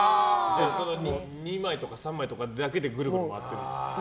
２枚とか３枚とかだけでぐるぐる回ってるんですね。